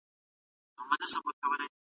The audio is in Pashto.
سختۍ مې په ارامه روح سره تېرې کړې.